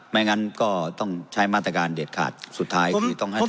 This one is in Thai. งั้นก็ต้องใช้มาตรการเด็ดขาดสุดท้ายคือต้องให้